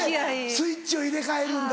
スイッチを入れ替えるんだ。